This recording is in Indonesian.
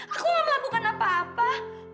aku gak melakukan apa apa